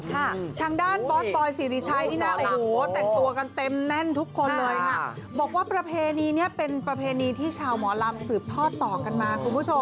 ทางด้านปอล์ปอล์สิริชัยที่หน้า